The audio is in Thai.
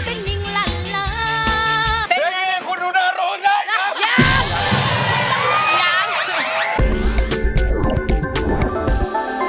เพลงนี้คุณหนูน่ารู้ได้ครับ